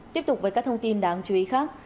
tiếp tục với các thông tin đáng chú ý khác